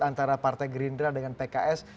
antara partai gerindra dengan pks